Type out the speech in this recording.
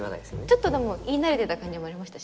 ちょっとでも言い慣れてた感じもありましたしね。